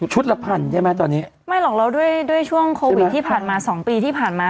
ละพันใช่ไหมตอนนี้ไม่หรอกแล้วด้วยด้วยช่วงโควิดที่ผ่านมาสองปีที่ผ่านมา